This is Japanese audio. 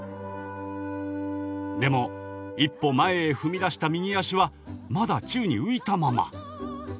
でも一歩前へ踏み出した右足はまだ宙に浮いたまま。